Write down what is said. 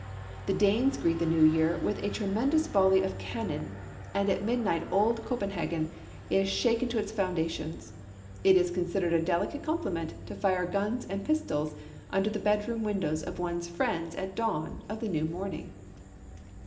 The Danes greet the New Year with a tremendous volley of cannon, and at midnight old Copenhagen is shaken to its very foundations. It is considered a delicate compliment to fire guns and pistols under the bedroom windows of one's friends at dawn of the new morning.